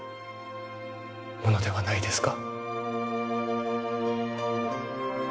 ものではないですか？